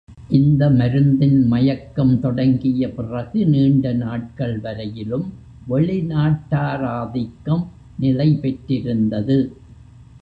இந்த மருந்தின் மயக்கம் தொடங்கிய பிறகு நீண்ட நாட்கள் வரையிலும் வெளி நாட்டாராதிக்கம் நிலை பெற்றிருந்தது.